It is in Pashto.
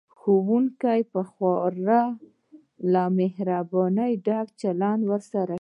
ښوونکي به خورا له مهربانۍ ډک چلند ورسره کوي